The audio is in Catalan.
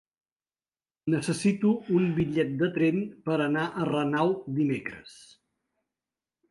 Necessito un bitllet de tren per anar a Renau dimecres.